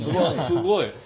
すごい。